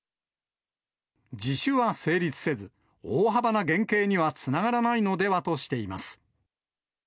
自首は成立せず、大幅な減刑にはつながらないのではとしています。